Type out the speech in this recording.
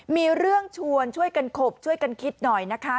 มีเรื่องชวนช่วยกันขบช่วยกันคิดหน่อยนะคะ